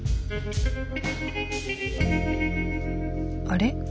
あれ？